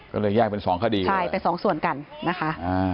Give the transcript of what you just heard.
ก็เลยแยกเป็นสองคดีใช่เป็นสองส่วนกันนะคะ